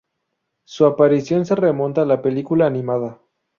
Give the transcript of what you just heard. Su aparición se remonta a la película animada.